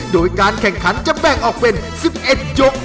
โดยการแข่งขันจะแบ่งออกเป็น๑๑ยก